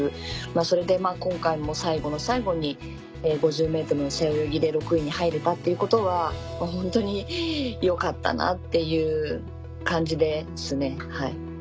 それで今回も最後の最後に５０ｍの背泳ぎで６位に入れたっていうことは本当によかったなっていう感じですね。